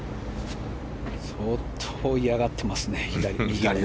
相当、いやがってますね。